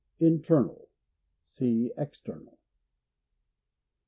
Internal. — Sec External.